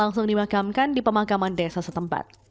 langsung dimagamkan di pemagaman desa setempat